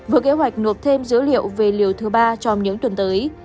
vừa kế hoạch nộp thêm dữ liệu về liều thứ ba trong những tuần tới